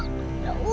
aku berani kok